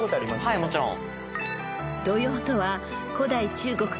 はいもちろん。